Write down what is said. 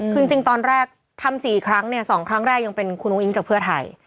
คือจริงตอนแรกทำ๔ครั้งเนี่ย๒ครั้งแรกยังเป็นคุณอุ้งอิงจากเพื่อไทย